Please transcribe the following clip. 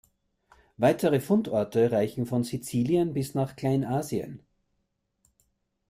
Weitere Fundorte reichen von Sizilien bis nach Kleinasien.